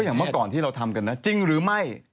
ก็อย่างเมื่อก่อนที่เราทำกันน้ำนะจริงหรือไม่